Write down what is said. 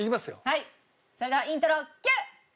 はいそれではイントロＱ！